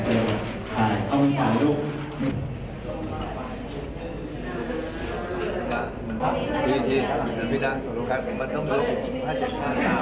สุดท้ายก็ไม่มีเวลาที่จะรักกับที่อยู่ในภูมิหน้า